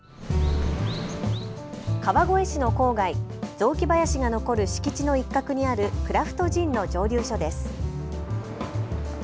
川越市の郊外、雑木林が残る敷地の一角にあるクラフトジンの蒸留所です。